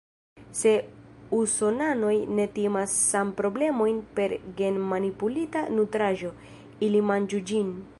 Se usonanoj ne timas sanproblemojn per gen-manipulita nutraĵo, ili manĝu ĝin.